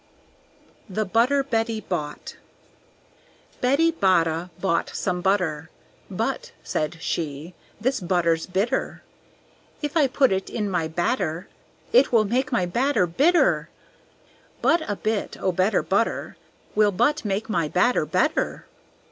The Butter Betty Bought Betty Botta bought some butter; "But," said she, "this butter's bitter! If I put it in my batter It will make my batter bitter. But a bit o' better butter Will but make my batter better."